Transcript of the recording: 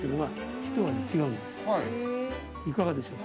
いかがでしょう？